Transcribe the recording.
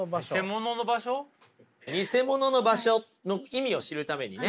ニセモノの場所の意味を知るためにね